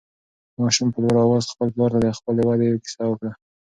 ماشوم په لوړ اواز خپل پلار ته د خپلې ودې قصه کوله.